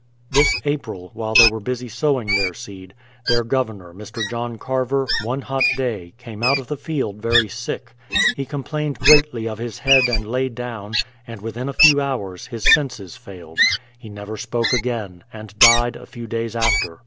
This April, while they were busy sowing their seed, their Governor, Mr. John Carver, one hot day, came out of the field very sick. He complained greatly of his head and lay down, and within a few hours his senses failed. He never spoke again, and died, a few days after.